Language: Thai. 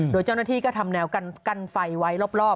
โดยเจ้าหน้าที่ก็ทำแนวกันไฟไว้รอบ